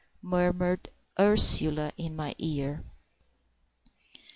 murmured Ursula in my ear.